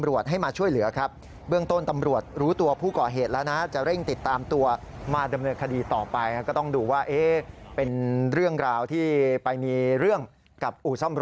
โอ้โฮเอาชีวิตรอดคุณครับครับ